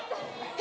え。